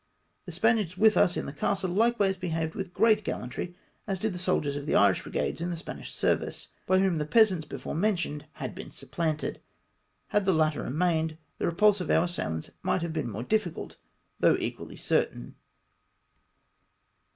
The Spaniards wdtli us in the castle Hkewise behaved with great gallantry, as did the soldiers of the Jiish. brigades in the Spanish service, by whom the peasants before mentioned had been supplanted. Had the latter remained, the repulse of our assailants might have been more difficult, though equally certain.